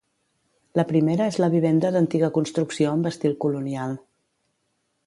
La primera és la vivenda d'antiga construcció amb estil colonial.